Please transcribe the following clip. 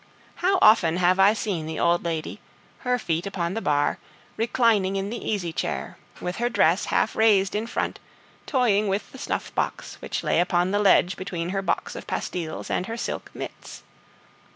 How often have I seen the old lady, her feet upon the bar, reclining in the easy chair, with her dress half raised in front, toying with the snuff box, which lay upon the ledge between her box of pastilles and her silk mits.